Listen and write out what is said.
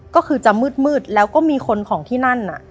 ก็คือจะมืดแล้วก็มีคนของที่นั่น